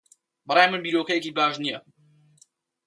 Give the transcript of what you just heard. بە ڕای من بیرۆکەیەکی باش نییە.